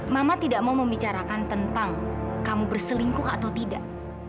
mama tidak mau membicarakan tentang kamu berselingkuh atau tidak